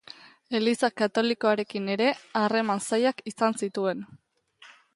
Eliza katolikoarekin ere harreman zailak izan zituen.